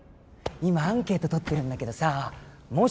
今アンケート取ってるんだけどさもし